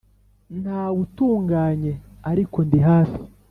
ntawe utunganye… ariko ndi hafi.